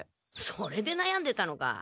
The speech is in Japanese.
それでなやんでたのか。